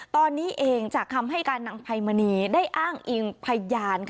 ตอนนี้เองจากคำให้การนางไพมณีได้อ้างอิงพยาน